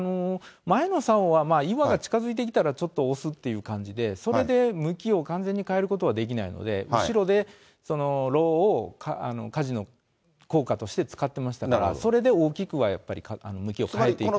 前のさおは岩が近づいてきたらちょっと押すっていう感じで、それで向きを完全に変えることはできないので、後ろでろをかじの効果として使ってましたから、それで大きくはやっぱり向きを変えていくので。